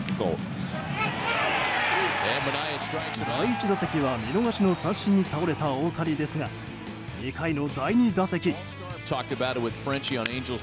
第１打席は見逃しの三振に倒れた大谷ですが２回の第２打席。